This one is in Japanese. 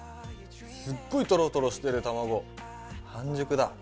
すっごいトロトロしてる、卵半熟だ。